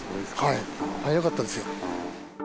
早かったですよ。